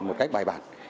một cách bài bản